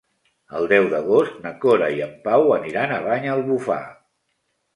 El deu d'agost na Cora i en Pau aniran a Banyalbufar.